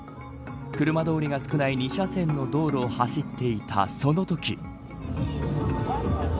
車通りが少ない２車線の道路を走っていたそのとき。